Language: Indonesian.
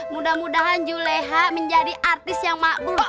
mudah mudahan juleha menjadi artis yang makmur